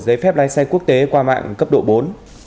giấy phép lái xe quốc tế qua mạng cấp độ bốn